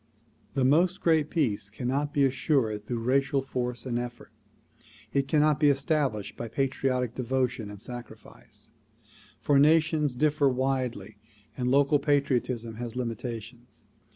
The "Most Great Peace" cannot be assured through racial force and eflfort ; it cannot be established by patriotic devotion and sacrifice ; for nations differ widely and local patriotism has limitations.